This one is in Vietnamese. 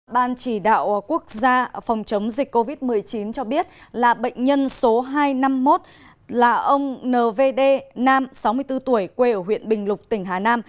ban chỉ đạo quốc gia phòng chống dịch covid một mươi chín cho biết là bệnh nhân số hai trăm năm mươi một là ông n vd nam sáu mươi bốn tuổi quê ở huyện bình lục tỉnh hà nam